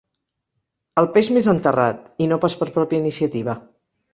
El peix més enterrat, i no pas per pròpia iniciativa.